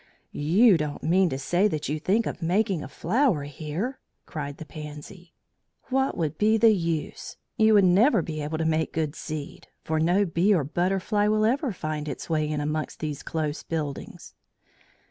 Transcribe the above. "You don't mean to say that you think of making a flower here!" cried the Pansy. "What would be the use? You would never be able to make good seed, for no bee or butterfly will ever find its way in amongst these close buildings."